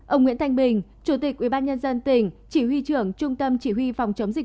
ông nguyễn thanh bình chủ tịch ubnd tỉnh chỉ huy trưởng trung tâm chỉ huy phòng chống dịch